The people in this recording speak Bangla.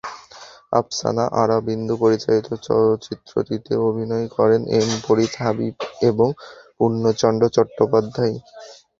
আফসানা আরা বিন্দু পরিচালিত চলচ্চিত্রটিতে অভিনয় করেন এম ফরিদ হাবিব এবং পূর্ণচন্দ্র চট্টোপাধ্যায়।